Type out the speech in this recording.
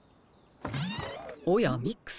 おやミックさん。